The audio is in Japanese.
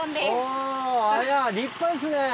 おぉ立派ですね。